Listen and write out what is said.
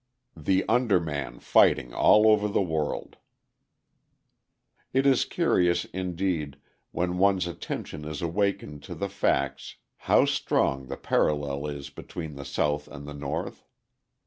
The Underman Fighting All Over the World It is curious, indeed, when one's attention is awakened to the facts, how strong the parallel is between the South and the North.